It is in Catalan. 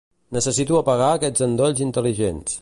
Necessito apagar aquests endolls intel·ligents.